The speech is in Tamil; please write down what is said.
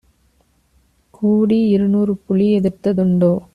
கூடிஇரு நூறுபுலி எதிர்த்த துண்டோ?